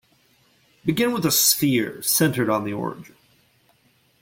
Begin with a sphere centered on the origin.